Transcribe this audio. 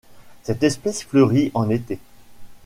Cette espèce fleurit en été.